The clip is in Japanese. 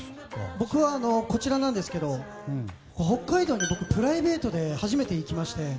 僕はこちらなんですけど北海道にプライベートで初めて行きまして。